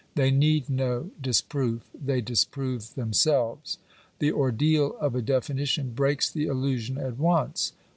They need no disproof: they dis prove themselves. The ordeal of a definition breaks the illusion at once.